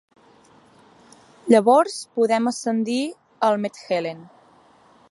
Llavors podem ascendir el Mt. Helen.